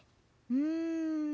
うん。